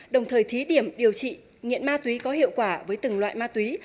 đồng thời thí điểm điều trị nghiện ma túy có hiệu quả với từng loại ma túy